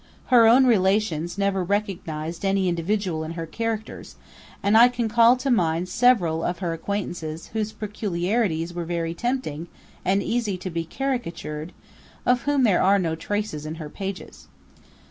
Her own relations never recognised any individual in her characters; and I can call to mind several of her acquaintance whose peculiarities were very tempting and easy to be caricatured of whom there are no traces in her pages.